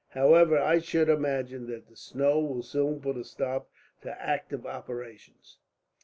However, I should imagine that the snow will soon put a stop to active operations."